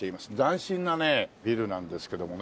斬新なねビルなんですけどもね。